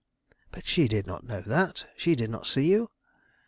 "But she did not know that; she did not see you."